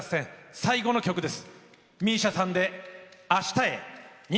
最後の曲です。